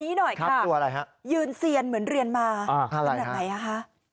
นี่หน่อยค่ะตัวอะไรฮะยืนเซียนเหมือนเรียนมาอ่าอะไรฮะวันอันไหนอ่ะฮะ